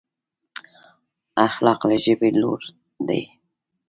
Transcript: اخلاق له ژبې لوړ دي.